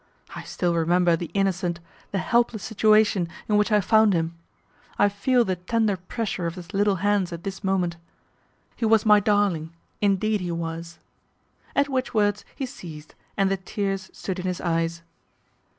I still remember the innocent, the helpless situation in which I found him. I feel the tender pressure of his little hands at this moment. He was my darling, indeed he was." At which words he ceased, and the tears stood in his eyes.